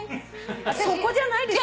そこじゃないでしょ？